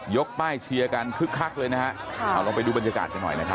ป้ายเชียร์กันคึกคักเลยนะฮะเอาลองไปดูบรรยากาศกันหน่อยนะครับ